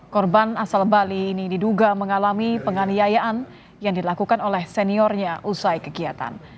korban asal bali ini diduga mengalami penganiayaan yang dilakukan oleh seniornya usai kegiatan